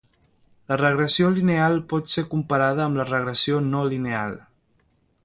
La regressió lineal pot ser comparada amb la regressió no lineal.